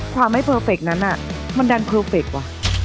ความไม่เพอร์เฟคนั้นมันดันเพอร์เฟคว่ะ